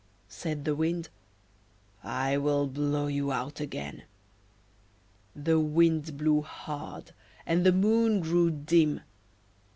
Said the Wind "I will blow you out again." The Wind blew hard, and the Moon grew dim.